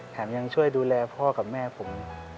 ยังช่วยดูแลพ่อกับแม่ผม